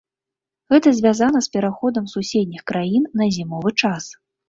Гэта звязана з пераходам суседніх краін на зімовы час.